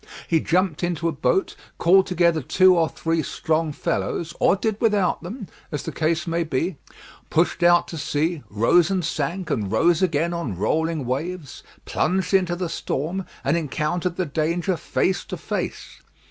He jumped into a boat, called together two or three strong fellows, or did without them, as the case might be, pushed out to sea, rose and sank, and rose again on rolling waves, plunged into the storm, and encountered the danger face to face.